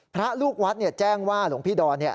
พระลูกวัดแจ้งว่าหลวงพี่ดอน